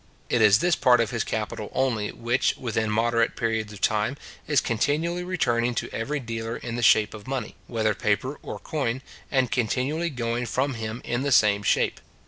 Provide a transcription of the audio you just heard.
It is this part of his capital only which, within moderate periods of time, is continually returning to every dealer in the shape of money, whether paper or coin, and continually going from him in the same shape.